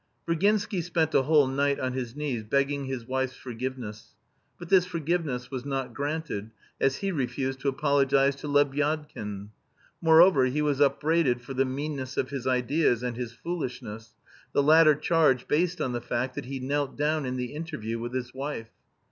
Virginsky spent a whole night on his knees begging his wife's forgiveness. But this forgiveness was not granted, as he refused to apologise to Lebyadkin; moreover, he was upbraided for the meanness of his ideas and his foolishness, the latter charge based on the fact that he knelt down in the interview with his wife.